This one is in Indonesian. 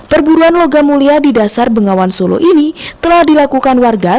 perburuan logam mulia di dasar bengawan solo ini telah dilakukan warga